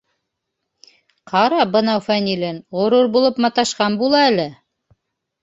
Ҡара бынау Фәнилен, ғорур булып маташҡан була әле.